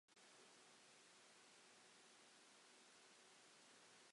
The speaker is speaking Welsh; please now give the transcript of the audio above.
Dwi'n hynod brysur fy hun.